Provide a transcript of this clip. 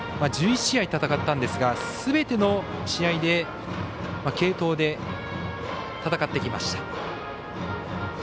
１１試合戦ったんですがすべての試合で、継投で戦ってきました。